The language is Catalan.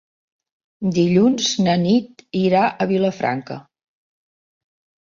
Dilluns na Nit irà a Vilafranca.